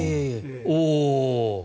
おお！